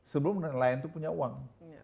sebelum nelayan itu punya uang